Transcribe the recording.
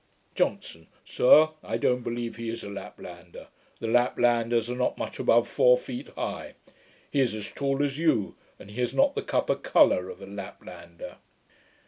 JOHNSON. 'Sir, I don't believe he is a Laplander. The Laplanders are not much above four feet high. He is as tall as you; and he has not the copper colour of a Laplander.'